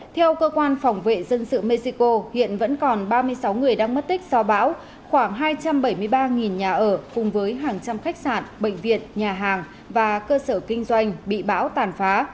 theo cơ quan phòng vệ dân sự mexico hiện vẫn còn ba mươi sáu người đang mất tích do bão khoảng hai trăm bảy mươi ba nhà ở cùng với hàng trăm khách sạn bệnh viện nhà hàng và cơ sở kinh doanh bị bão tàn phá